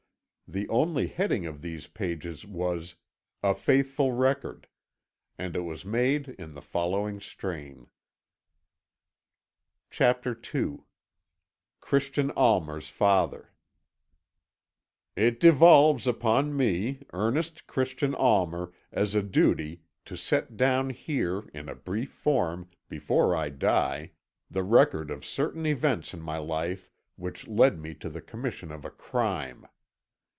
The only heading of these pages was, "A FAITHFUL RECORD." And it was made in the following strain: CHAPTER II CHRISTIAN ALMER'S FATHER "It devolves upon me, Ernest Christian Almer, as a duty, to set down here, in a brief form, before I die, the record of certain events in my life which led me to the commission of a crime.